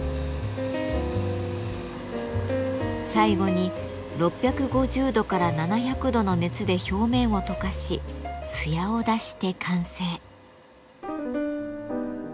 最後に６５０度から７００度の熱で表面を溶かし艶を出して完成。